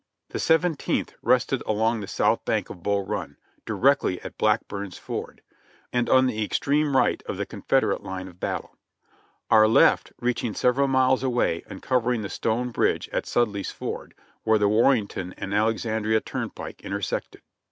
The Seventeenth rested along the south bank of Bull Run, directly at Blackburn's Ford, and on the extreme right of the Con federate line of battle ; our left reaching several miles away and covering the stone bridge at Sudley's Ford, where the Warrenton and Alexandria turnpike intersected.